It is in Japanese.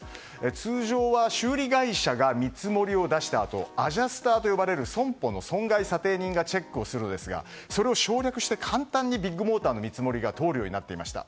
通常は修理会社が見積もりを出したあとアジャスターと呼ばれる損保の損害査定人がチェックするんですがそれを省略して簡単にビッグモーターの見積もりが通るようになっていました。